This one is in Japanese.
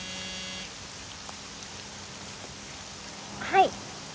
はい。